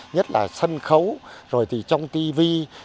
nhất là sân khấu rồi thì trong tv